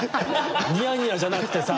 ニヤニヤじゃなくてさ。